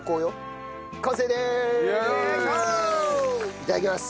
いただきます！